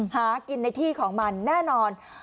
หากินในที่ของมันแน่นอน